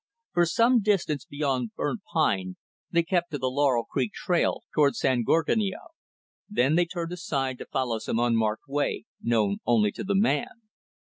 For some distance beyond Burnt Pine, they kept to the Laurel Creek trail, toward San Gorgonio; then they turned aside to follow some unmarked way, known only to the man.